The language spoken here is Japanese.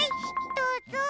どうぞ。